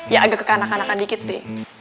ya agak kekanakan kanakan dikit sih